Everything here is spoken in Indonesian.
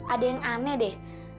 ada yang aneh deh